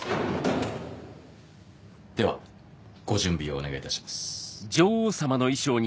ではご準備をお願いいたします。